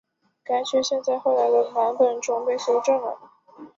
该缺陷在后来的版本中被修正了。